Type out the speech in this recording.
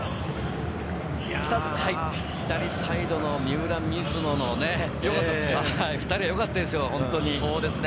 左サイドの三浦、水野の２人、良かったですよ、本当に。